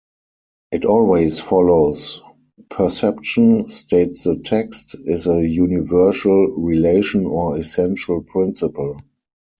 It always follows perception, states the text, is a universal relation or essential principle.